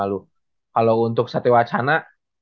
malu kalo untuk satya wacana